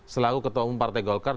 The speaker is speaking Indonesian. selaku ketua umum partai golkar